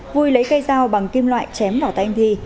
vui lấy cây dao bằng kim loại chém vào tay anh thi